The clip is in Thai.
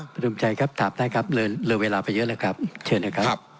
ประชุมชัยครับถามได้ครับเลยเวลาไปเยอะแล้วครับเชิญนะครับ